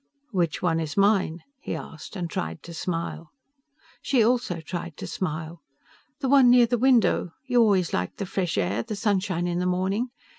"Which one is mine," he asked, and tried to smile. She also tried to smile. "The one near the window. You always liked the fresh air, the sunshine in the morning.